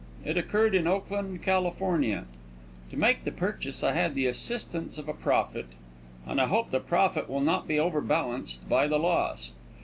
It occurred in Oakland, California. In making the purchase I had the assistance of a prophet, and I hope the prophet will not be overbalanced by the loss.